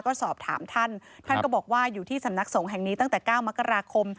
ก็สอบถามท่านท่านก็บอกว่าอยู่ที่สำนักสงฆ์แห่งนี้ตั้งแต่๙มกราคม